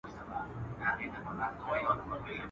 o پښتون مېړه پر مرگ پېرزو کېږي، پر بني نه.